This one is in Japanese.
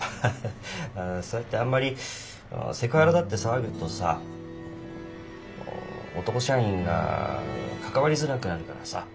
そうやってあんまりセクハラだって騒ぐとさ男社員が関わりづらくなるからさ。